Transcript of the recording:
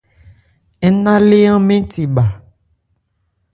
Ń na lé áán mɛ́n the bha.